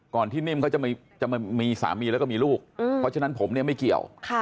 ที่นิ่มเขาจะมีสามีแล้วก็มีลูกเพราะฉะนั้นผมเนี่ยไม่เกี่ยว